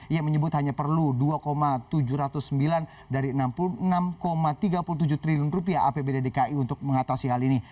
ia menyebut hanya perlu dua tujuh ratus sembilan dari rp enam puluh enam tiga puluh tujuh triliun apbd dki untuk mengatasi hal ini